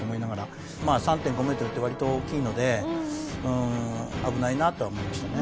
まあ３．５メートルって割と大きいので危ないなとは思いましたね。